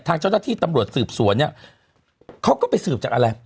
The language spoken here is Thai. ทางเจ้าหน้าที่ตำรวจสืบสวนเนี่ยเขาก็ไปสืบจากอะไร